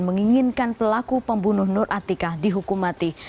menginginkan pelaku pembunuh nur atika dihukum mati